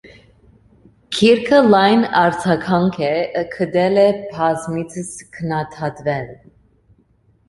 Գիրքը լայն արձագանք է գտել և բազմիցս քննադատվել։